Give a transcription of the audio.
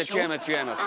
違います。